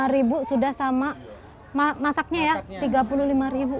lima ribu sudah sama masaknya ya tiga puluh lima ribu